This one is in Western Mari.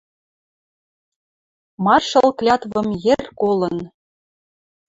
Маршал клятвым йӹр колын.